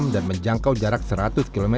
dan menjangkau jarak seratus km